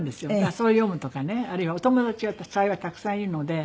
それを読むとかねあるいはお友達が幸いたくさんいるので。